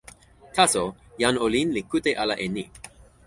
taso, jan olin li kute ala e ni.